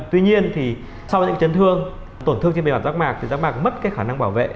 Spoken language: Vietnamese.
tuy nhiên thì sau những chấn thương tổn thương trên bề mặt rác mạc thì rác mạc mất cái khả năng bảo vệ